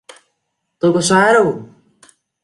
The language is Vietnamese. Tôi có xóa đâu